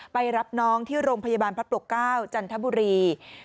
ไปรับน้องที่โรงพยาบาลพระปกเก้าจันทบุรี